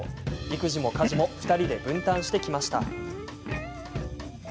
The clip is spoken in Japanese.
育児も家事も２人で分担してきました。